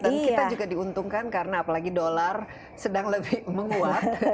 dan kita juga diuntungkan karena apalagi dolar sedang lebih menguat